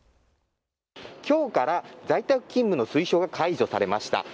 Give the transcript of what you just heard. きょうから在宅勤務の推奨が解除されました。